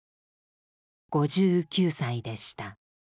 ５９歳でした。